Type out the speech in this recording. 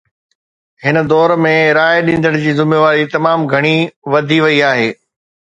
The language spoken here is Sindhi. هن دور ۾ راءِ ڏيندڙ جي ذميواري تمام گهڻي وڌي وئي آهي.